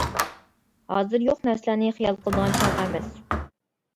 ھازىر يوق نەرسىلەرنى خىيال قىلىدىغان چاغ ئەمەس.